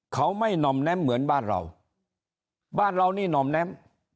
เขาไม่หน่อมแน้มเหมือนบ้านเราบ้านเรานี่หน่อมแน้ม